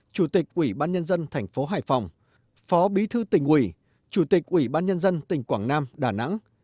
chủ tịch ủy ban nhân dân thành phố hải phòng phó bí thư tỉnh ủy chủ tịch ủy ban nhân dân tỉnh quảng nam đà nẵng